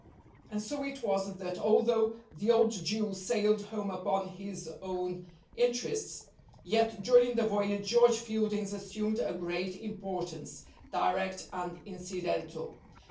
And so it was that, although the old Jew sailed home upon his own interests, yet during the voyage George Fielding's assumed a great importance, direct and incidental.